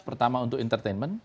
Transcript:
prioritas pertama untuk entertainment